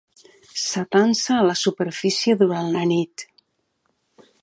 S'atansa a la superfície durant la nit.